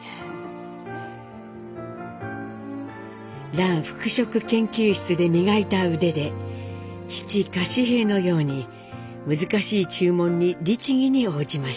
蘭服飾研究室で磨いた腕で父柏平のように難しい注文に律儀に応じました。